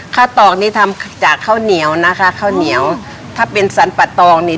ตอกนี่ทำจากข้าวเหนียวนะคะข้าวเหนียวถ้าเป็นสรรปะตองนี่